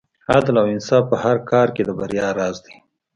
عدل او انصاف په هر کار کې د بریا راز دی.